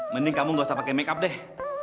mending kamu gak usah pakai make up deh